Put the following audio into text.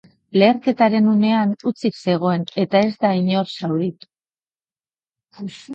Leherketaren unean hutsik zegoen eta ez da inor zauritu.